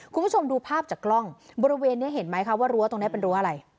คุณผู้ชมดูภาพจากกล้องบริเวณนี้เห็นไหมคะว่ารั้วตรงนี้เป็นรั้วอะไร